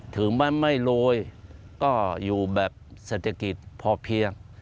ถึงมันไม่โรยก็อยู่แบบเศรษฐกิจพอเพียง